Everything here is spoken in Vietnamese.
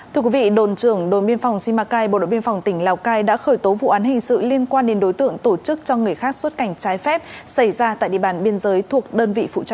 thưa quý vị đồn trưởng đồn biên phòng simacai bộ đội biên phòng tỉnh lào cai đã khởi tố vụ án hình sự liên quan đến đối tượng tổ chức cho người khác xuất cảnh trái phép xảy ra tại địa bàn biên giới thuộc đơn vị phụ trách